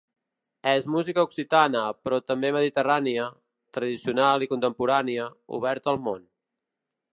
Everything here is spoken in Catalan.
És música occitana, però també mediterrània, tradicional i contemporània, oberta al món.